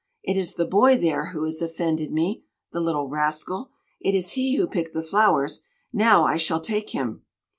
It is the boy there who has offended me. The little rascal! It is he who picked the flowers. Now I shall take him!"